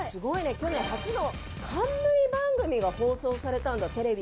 去年初の冠番組が放送されたんだテレビで。